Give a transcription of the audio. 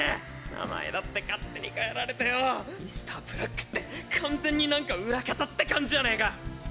名前だって勝手に変えられてよぉ「Ｍｒ．ブラック」って完全に何か裏方って感じじゃねえか！